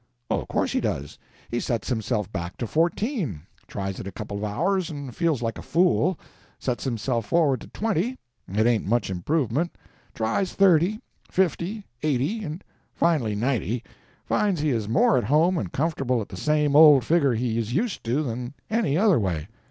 "Of course he does. He sets himself back to fourteen; tries it a couple of hours, and feels like a fool; sets himself forward to twenty; it ain't much improvement; tries thirty, fifty, eighty, and finally ninety—finds he is more at home and comfortable at the same old figure he is used to than any other way.